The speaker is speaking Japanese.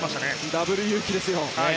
ダブルユウキですよ。